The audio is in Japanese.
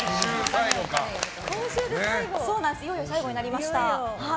いよいよ最後になりました。